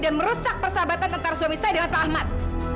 dan merusak persahabatan antara suami saya dan pak ahmad